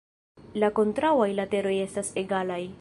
La kontraŭaj lateroj estas egalaj.